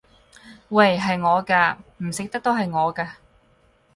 喂！係我㗎！唔食得都係我㗎！